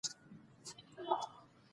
علامه حبیبي د علمي اصولو پابند و.